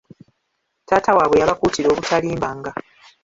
Taata waabwe yabakuutira obutalimbanga.